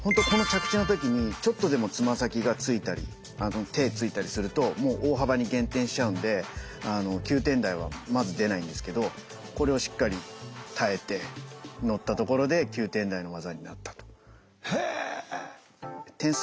この着地の時にちょっとでもつま先がついたり手ついたりするともう大幅に減点しちゃうんで９点台はまず出ないんですけどこれをしっかり耐えて乗ったところで９点台の技になったと。